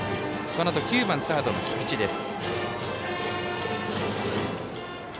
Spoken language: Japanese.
このあと９番サードの菊池です。